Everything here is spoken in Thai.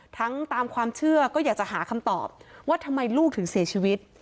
ตามความเชื่อก็อยากจะหาคำตอบว่าทำไมลูกถึงเสียชีวิต